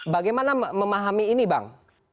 bagaimana memahami ini bang